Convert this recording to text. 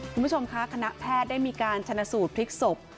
คุณผู้ชมคะคณะแพทย์ได้มีการชนะสูตรพลิกศพ